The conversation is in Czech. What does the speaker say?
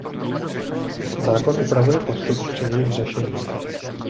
Zákon upravuje postup při jejich řešení.